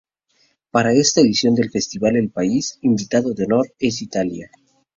Para esta edición del festival el país invitado de honor es Italia.